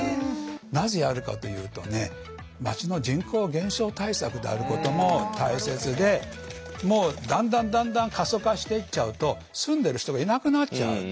なぜやるかというとね町の人口減少対策であることも大切でだんだんだんだん過疎化していっちゃうと住んでる人がいなくなっちゃう。